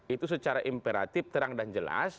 itu secara imperatif terang dan jelas